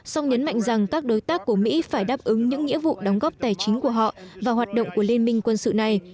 song nhấn mạnh rằng các đối tác của mỹ phải đáp ứng những nghĩa vụ đóng góp tài chính của họ và hoạt động của liên minh quân sự này